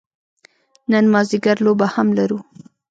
نن مازدیګر لوبه هم لرو.